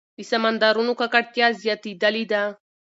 د سمندرونو ککړتیا زیاتېدلې ده.